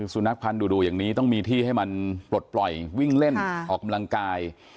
สุนัขพันธ์ดูอย่างนี้ต้องมีที่ให้มันปลดปล่อยวิ่งเล่นออกกำลังกาย